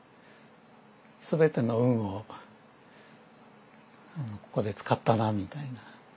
全ての運をここで使ったなみたいな。